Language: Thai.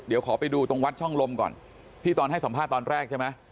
เดี๋ยวขอไปดูตรงวัดช่องลมก่อนที่ตอนให้สัมภาษณ์ตอนแรกใช่ไหม